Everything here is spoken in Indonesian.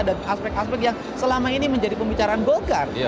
dan aspek aspek yang selama ini menjadi pembicaraan golkar